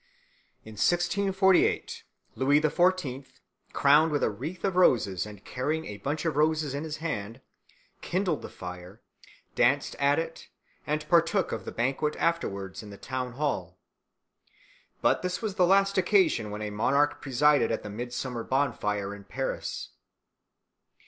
In 1648 Louis the Fourteenth, crowned with a wreath of roses and carrying a bunch of roses in his hand, kindled the fire, danced at it and partook of the banquet afterwards in the town hall. But this was the last occasion when a monarch presided at the midsummer bonfire in Paris.